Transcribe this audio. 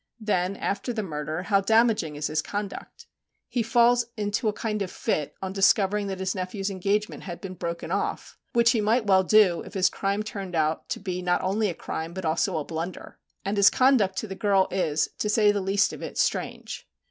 Then, after the murder, how damaging is his conduct. He falls into a kind of fit on discovering that his nephew's engagement had been broken off, which he might well do if his crime turned out to be not only a crime but also a blunder. And his conduct to the girl is, to say the least of it, strange.